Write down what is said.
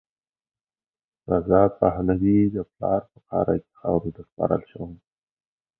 رضا پهلوي د پلار په قاره کې خاورو ته سپارل شوی.